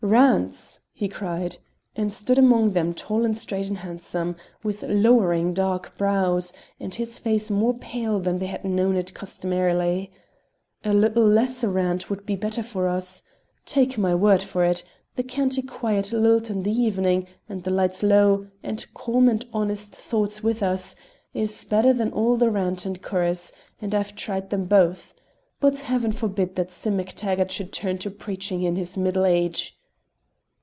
"Rants!" he cried, and stood among them tall and straight and handsome, with lowering dark brows, and his face more pale than they had known it customarily, "a little less rant would be the better for us. Take my word for it, the canty quiet lilt in the evening, and the lights low, and calm and honest thoughts with us, is better than all the rant and chorus, and I've tried them both. But heaven forbid that Sim MacTaggart should turn to preaching in his middle age."